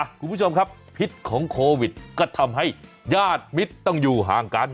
คุณผู้ชมครับพิษของโควิดก็ทำให้ญาติมิตรต้องอยู่ห่างกัน